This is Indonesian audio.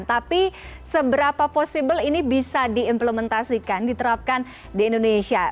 tapi seberapa possible ini bisa diimplementasikan diterapkan di indonesia